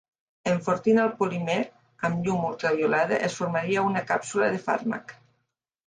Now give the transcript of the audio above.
Enfortint el polímer amb llum ultraviolada es formaria una càpsula de fàrmac.